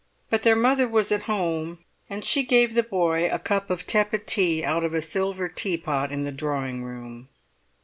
But their mother was at home, and she gave the boy a cup of tepid tea out of a silver tea pot in the drawing room.